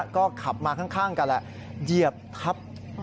ก็ขับมาข้างกันแหละเหยียบทับ